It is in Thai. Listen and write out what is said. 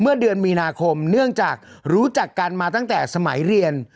เมื่อเดือนมีนาคมเนื่องจากรู้จักกันมาตั้งแต่สมัยเรียน